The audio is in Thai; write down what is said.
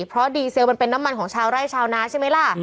เพราะดีเซลมันเป็นน้ำมันของชาวไร่ชาวนาใช่ไหมล่ะ